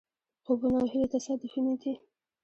خوبونه او هیلې تصادفي نه دي.